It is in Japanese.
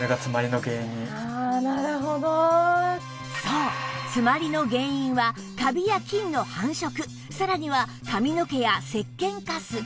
そう詰まりの原因はカビや菌の繁殖さらには髪の毛やせっけんカス